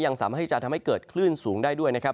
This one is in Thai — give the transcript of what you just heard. สามารถที่จะทำให้เกิดคลื่นสูงได้ด้วยนะครับ